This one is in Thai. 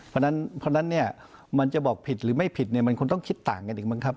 เพราะฉะนั้นเนี่ยมันจะบอกผิดหรือไม่ผิดเนี่ยมันคงต้องคิดต่างกันอีกมั้งครับ